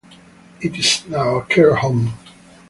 It is now a care home.